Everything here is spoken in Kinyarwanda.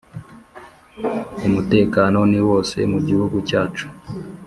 Umutekano niwose mugihugu cyacu